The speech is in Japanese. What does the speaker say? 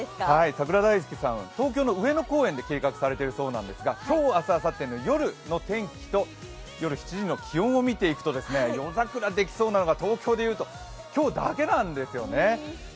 桜大好きさん、東京の上野公園で計画されているそうなんですが、今日、明日、あさっての夜の天気と夜７時の気温を見ていくと夜桜できそうなのが、東京でいうと今日だけなんですよね。